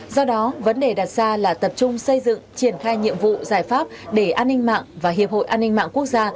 do đó vấn đề đặt ra là tập trung xây dựng triển khai nhiệm vụ giải pháp để an ninh mạng và hiệp hội an ninh mạng quốc gia